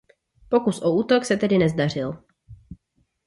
Pokus o útok se tedy nezdařil.